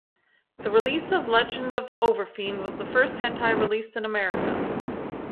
The release of "Legend of the Overfiend" was the first hentai released in America.